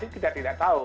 kita tidak tahu